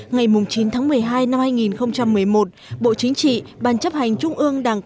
ngày chín tháng một mươi hai năm hai nghìn một mươi một bộ chính trị ban chấp hành trung ương đảng khóa một